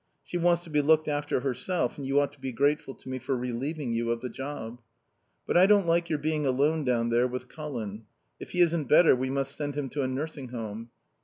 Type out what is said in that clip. She wants to be looked after herself, and you ought to be grateful to me for relieving you of the job. But I don't like your being alone down there with Colin. If he isn't better we must send him to a nursing home.